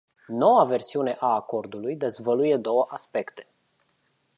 Noua versiune a acordului dezvăluie două aspecte.